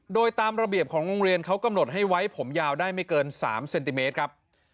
โดยตามระเบียบของโรงเรียนเขากำหนดให้ไว้ผมยาวได้ไม่เกิน๓เซนติเมตรครับ